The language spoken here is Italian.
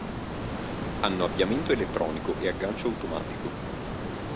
Hanno avviamento elettronico e aggancio automatico.